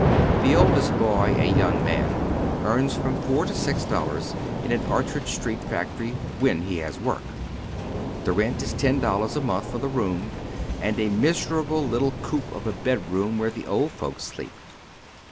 The oldest boy, a young man, earns from four to six dollars in an Orchard Street factory, when lie has work. The rent is ten dollars a month for the room and a miser able little coop of a bedroom wliere tlie old folks sleep.